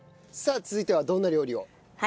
さあ続いてはどんな料理を？